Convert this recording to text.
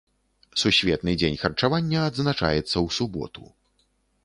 Сусветны дзень харчавання адзначаецца ў суботу.